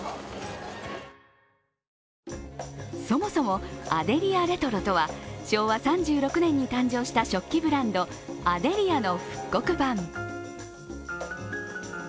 そもそも、アデリアレトロとは昭和３６年に誕生した食器ブランド、アデリアの復刻版。